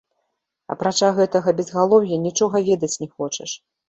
Апрача гэтага безгалоўя, нічога ведаць не хочаш.